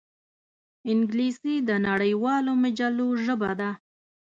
انګلیسي د نړیوالو مجلو ژبه ده